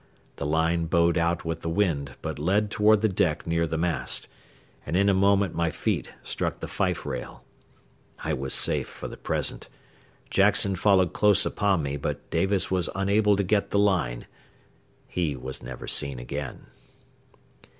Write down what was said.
The line bowed out with the wind, but led toward the deck near the mast, and in a moment my feet struck the fife rail. I was safe for the present. Jackson followed close upon me, but Davis was unable to get the line. He was never seen again.